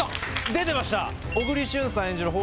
出てました。